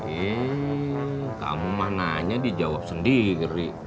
eh kamu mah nanya dijawab sendiri